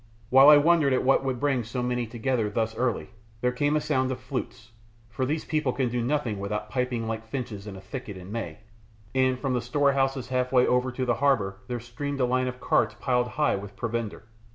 While I wondered what would bring so many together thus early, there came a sound of flutes for these people can do nothing without piping like finches in a thicket in May and from the storehouses half way over to the harbour there streamed a line of carts piled high with provender.